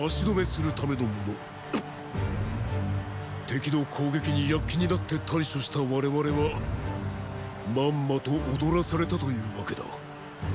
敵の攻撃に躍起になって対処した我々はまんまと踊らされたというわけだ。